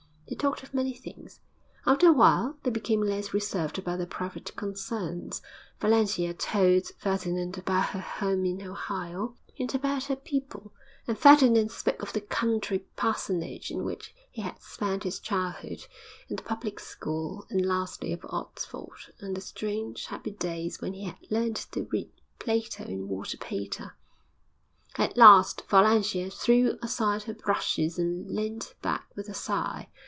They talked of many things. After a while they became less reserved about their private concerns. Valentia told Ferdinand about her home in Ohio, and about her people; and Ferdinand spoke of the country parsonage in which he had spent his childhood, and the public school, and lastly of Oxford and the strange, happy days when he had learnt to read Plato and Walter Pater.... At last Valentia threw aside her brushes and leant back with a sigh.